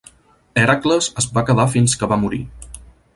Hèracles es va quedar fins que va morir.